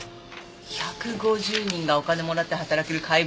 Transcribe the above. １５０人がお金もらって働ける解剖医の定員か。